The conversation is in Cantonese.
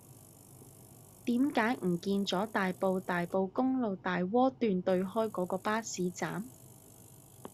點解唔見左大埔大埔公路大窩段對開嗰個巴士站